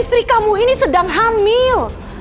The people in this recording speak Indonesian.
istri kamu ini sedang hamil